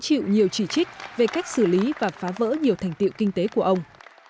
chịu nhiều chỉ trích về cách xử lý và phá vỡ nhiều thành tiệu kinh tế của ông